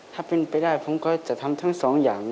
ถ้าเป็นไปได้ผมก็จะทำทั้งสองอย่าง